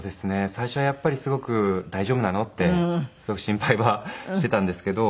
最初はやっぱりすごく大丈夫なの？ってすごく心配はしていたんですけど。